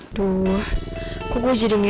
aduh kok gue jadi